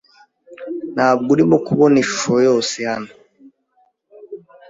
Ntabwo urimo kubona ishusho yose hano.